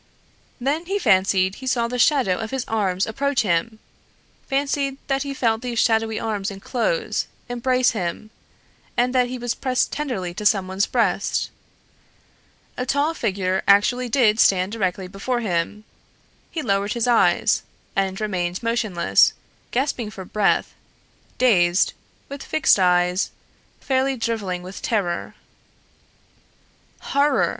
Then he fancied he saw the shadow of his arms approach him fancied that he felt these shadowy arms inclose, embrace him and that he was pressed tenderly to some one's breast. A tall figure actually did stand directly before him. He lowered his eyes and remained motionless, gasping for breath, dazed, with fixed eyes, fairly driveling with terror. Horror!